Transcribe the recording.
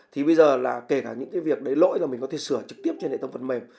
thì bây giờ là kể cả những cái việc đấy lỗi là mình có thể sửa trực tiếp trên hệ thống phần mềm